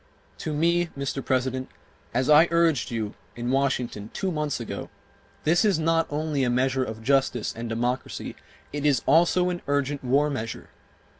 To me, Mr. President, as I urged upon you in Washington two months ago, this is not only a measure of justice and democracy, it is also an urgent war measure.